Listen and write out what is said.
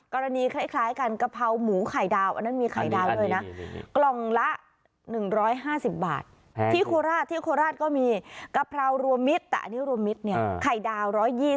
กรณีคล้ายกันกะเพราหมูไข่ดาว